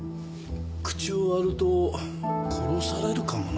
口を割ると殺されるかもな。